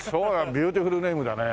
ビューティフルネームだね。